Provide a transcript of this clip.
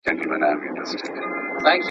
غوښتني ته یې د تعصب او قومپالني په سترګه